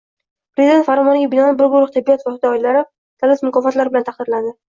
Prezident Farmoniga binoan bir guruh tibbiyot fidoyilari davlat mukofotlari bilan taqdirlandi